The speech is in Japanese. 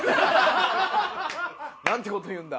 何てこと言うんだ。